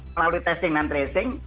melalui testing dan tracing